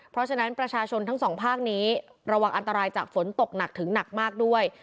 เพราะฉะนั้นประชาชนทั้งสองภาคนี้ระวังอันตรายจากฝนตกหนักถึงหนักมากด้วย